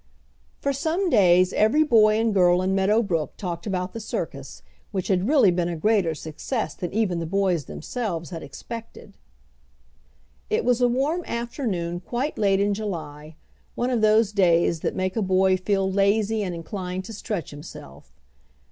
For some days every boy and girl in Meadow Brook talked about the circus, which had really been a greater success than even the boys themselves had expected. It was a warm afternoon quite late in July one of those days that make a boy feel lazy and inclined to stretch himself.